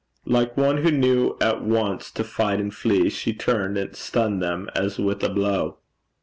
Like one who knew at once to fight and flee, she turned and stunned them as with a blow.